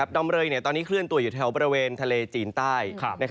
ดำเริงตอนนี้เคลื่อนตัวอยู่แถวบริเวณทะเลจีนใต้